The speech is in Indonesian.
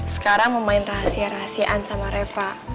sekarang main rahasia rahasiaan sama reva